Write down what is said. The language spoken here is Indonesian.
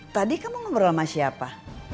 tadi kamu ngobrol sama siapa